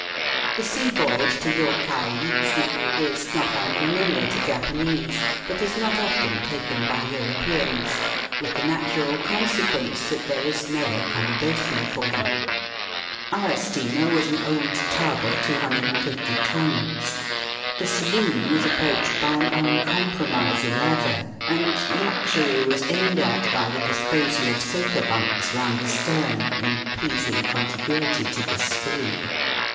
The sea voyage to Yokkaichi is not un familiar to Japanese, but is not often taken by Europeans, with the natural consequence that there is no accommodation for them. Our steamer was an old tub of 260 tons. The saloon was approached by an uncompromising ladder, and luxury was aimed at by the disposal of sofa bunks round the stern in pleasing con Digitized by VjOOQIC BY SEA AND LAND TO KIOTO. 37 tiguity to the screw.